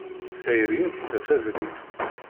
Tayri ad d-taf abrid.